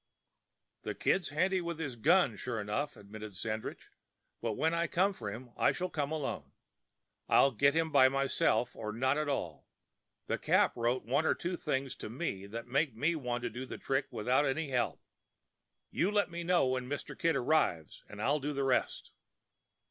"The Kid's handy with his gun, sure enough," admitted Sandridge, "but when I come for him I shall come alone. I'll get him by myself or not at all. The Cap wrote one or two things to me that make me want to do the trick without any help. You let me know when Mr. Kid arrives, and I'll do the rest."